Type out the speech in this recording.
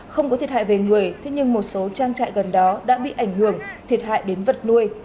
không có thiệt hại về người thế nhưng một số trang trại gần đó đã bị ảnh hưởng thiệt hại đến vật nuôi